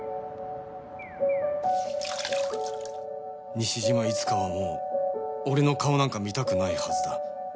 西島いつかはもう俺の顔なんか見たくないはずだ